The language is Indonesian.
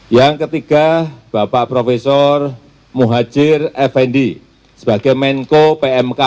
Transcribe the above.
yang ketiga bapak profesor muhajir effendi sebagai menko pmk